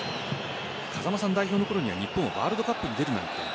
風間さんが代表のころには日本はワールドカップに出るなんて。